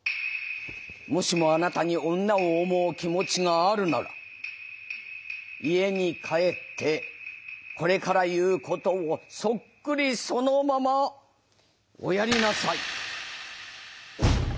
もしもあなたに女を思う気持ちがあるなら家に帰ってこれから言うことをそっくりそのままおやりなさい。